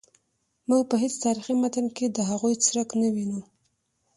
موږ په هیڅ تاریخي متن کې د هغوی څرک نه وینو.